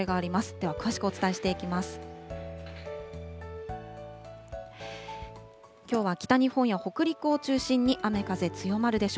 では詳しくお伝えしていきます。